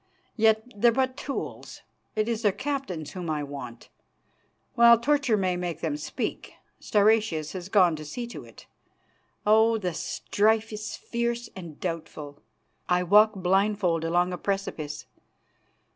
Yet they're but tools; it is their captains whom I want. Well, torture may make them speak; Stauracius has gone to see to it. Oh! the strife is fierce and doubtful. I walk blindfold along a precipice.